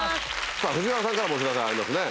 藤原さんからもお知らせありますね。